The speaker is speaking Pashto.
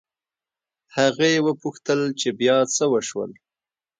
هغې وپوښتل چې بيا څه وشول